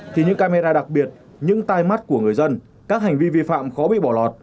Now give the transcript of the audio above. thì những camera đặc biệt những tai mắt của người dân các hành vi vi phạm khó bị bỏ lọt